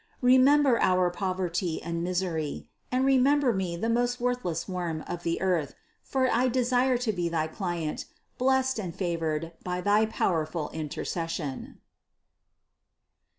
Remember our poverty and misery, and remember me the most worthless worm of the earth: for I desire to be thy client, blessed and favored by thy powerful intercession.